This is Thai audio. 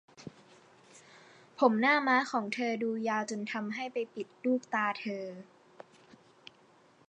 ผมหน้าม้าของเธอดูยาวจนทำให้ไปปิดลูกตาเธอ